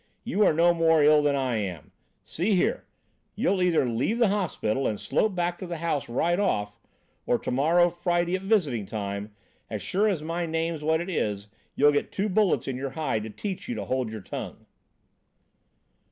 You are no more ill than I am. See here, you'll either leave the hospital and slope back to the house right off or to morrow, Friday, at visiting time, as sure as my name's what it is, you'll get two bullets in your hide to teach you to hold your tongue."